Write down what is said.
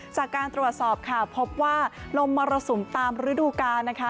จากการตรวจสอบค่ะพบว่าลมมรสุมตามฤดูกาลนะคะ